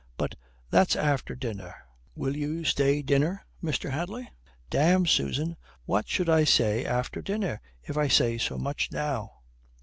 But that's after dinner. Will you stay dinner, Mr. Hadley?" "Damme, Susan, what should I say after dinner, if I say so much now?"